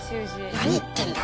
何言ってんだ？